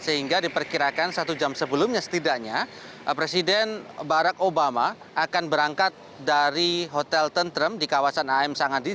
sehingga diperkirakan satu jam sebelumnya setidaknya presiden barack obama akan berangkat dari hotel tentrem di kawasan am sanghadi